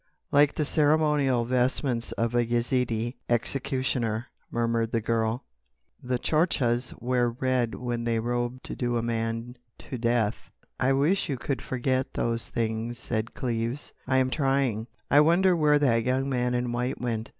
"Like the ceremonial vestments of a Yezidee executioner," murmured the girl. "The Tchortchas wear red when they robe to do a man to death." "I wish you could forget those things," said Cleves. "I am trying.... I wonder where that young man in white went."